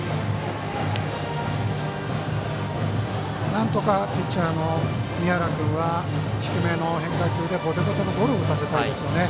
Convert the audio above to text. なんとかピッチャーの宮原君は低めの変化球でボテボテのゴロを打たせたいですね。